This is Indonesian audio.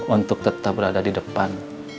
untuk tetap berada di depan